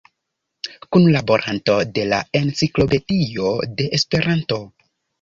Kunlaboranto de la Enciklopedio de Esperanto.